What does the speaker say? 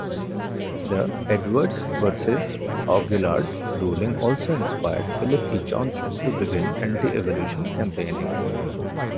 The "Edwards versus Aguillard" ruling also inspired Phillip E. Johnson to begin anti-evolution campaigning.